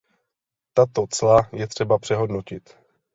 Tato cla je třeba přehodnotit.